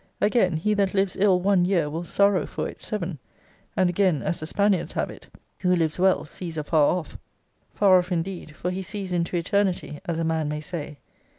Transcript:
Again, He that lives ill one year, will sorrow for it seven. And again, as the Spaniards have it Who lives well, sees afar off! Far off indeed; for he sees into eternity, as a man may say.